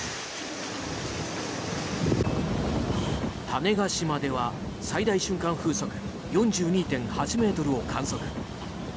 種子島では最大瞬間風速４２．８ｍを観測。